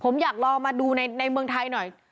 ผมอยากลองมาดูในเมืองไทยหน่อย